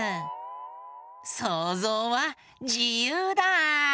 そうぞうはじゆうだ！